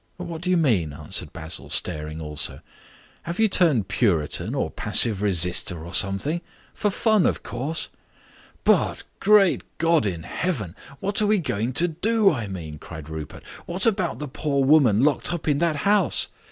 What do you mean?" answered Basil, staring also. "Have you turned Puritan or Passive Resister, or something? For fun, of course." "But, great God in Heaven! What are we going to do, I mean!" cried Rupert. "What about the poor woman locked up in that house?